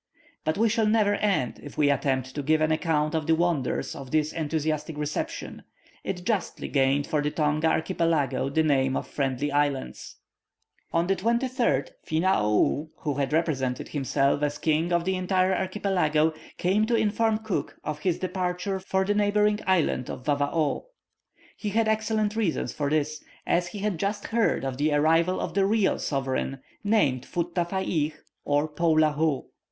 But we shall never end, if we attempt to give an account of the wonders of this enthusiastic reception. It justly gained for the Tonga archipelago the name of Friendly Islands. On the 23rd, Finaou, who had represented himself as king of the entire archipelago, came to inform Cook of his departure for the neighbouring island of Vavaoo. He had excellent reasons for this, as he had just heard of the arrival of the real sovereign, named Futtafaih or Poulaho.